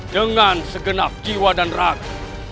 dengan segenap jiwa dan ragu